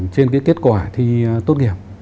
trên cái kết quả thì tốt nghiệp